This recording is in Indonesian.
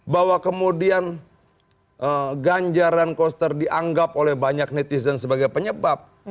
bahwa kemudian ganjar dan koster dianggap oleh banyak netizen sebagai penyebab